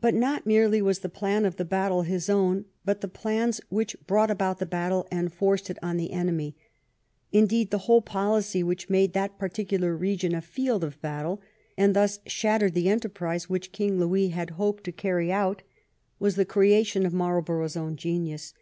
But not merely was the plan of the battle his own, but the plans which brought about the battle and forced it on the enemy. Indeed, the whole policy which made that particular region a field of battle, and thus shattered the enterprise which King Louis had hoped to carry out, was the creation of Marlborough's own genius.